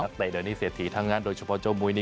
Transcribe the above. นัตเตะเดือนนี้เสียถีทั้งงานโดยเฉพาะเจ้ามุยนี้